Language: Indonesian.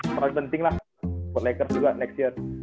pros penting lah buat lakers juga next year